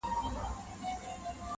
ځو به چي د شمعي پر لار تلل زده کړو-